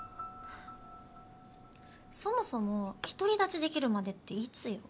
そもそも「独り立ちできるまで」っていつよ？